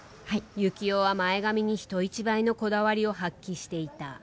幸男は、前髪に人一倍のこだわりを発揮していた。